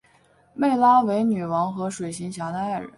湄拉为女王和水行侠的爱人。